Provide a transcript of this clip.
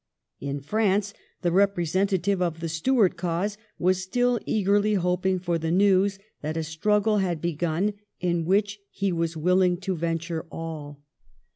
In France the representative of the Stuart cause was still eagerly hoping for the news that a struggle had begun in which he was willing to venture all.